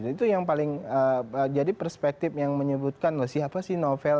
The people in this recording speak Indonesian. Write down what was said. itu yang paling jadi perspektif yang menyebutkan siapa sih novel